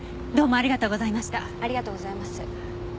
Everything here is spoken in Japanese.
ありがとうございます。